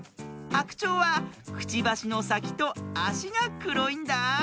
ハクチョウはくちばしのさきとあしがくろいんだあ。